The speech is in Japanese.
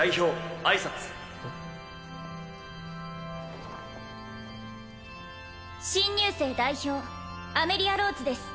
挨拶新入生代表アメリア＝ローズです